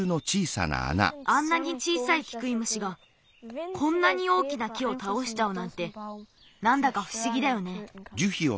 あんなに小さいキクイムシがこんなに大きな木をたおしちゃうなんてなんだかふしぎだよね。